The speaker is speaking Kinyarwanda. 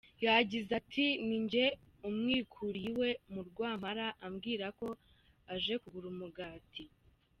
Yagize ati “Ninjye umwikuriye iwe mu Rwampara ambwira ko aje kugura umugati.